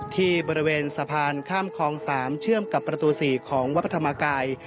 ที่บริเวณสะพานข้ามคลอง๓เชื่อมกับประตู๔ของวัดพระธรรมกาย